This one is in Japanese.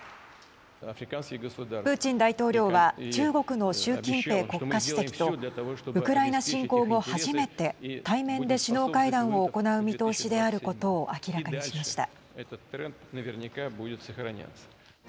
プーチン大統領は中国の習近平国家主席とウクライナ侵攻後、初めて対面で首脳会談を行う見通しであることを明らかにしました。